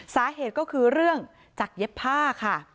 สาเหตุก็คือเรื่องจากเย็บผ้าค่ะ